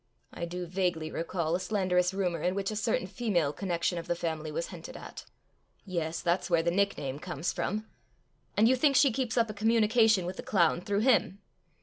" I do vaguely recall a slanderous rumour in which a certain female connection of the family was hinted at. Yes! that's where the nickname comes from. And you think she keeps up a communication with the clown through him?"